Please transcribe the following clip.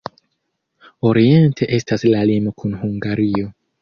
Oriente estas la limo kun Hungario.